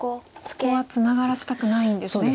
ここはツナがらせたくないんですね。